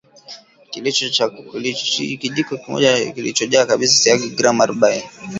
Kijiko cha chakula moja kilichojaa kabisa siagi gram arobaini